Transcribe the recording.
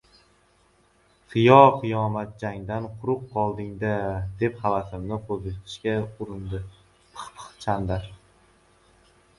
– Qiyyo-qiyomat jangdan quruq qolding-da, – deb havasimni qo‘zishga urindi Pixpix Chandr